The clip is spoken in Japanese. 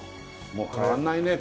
もう変わんないね